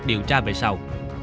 điều tra về sau